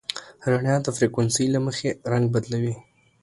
رڼا د فریکونسۍ له مخې رنګ بدلوي.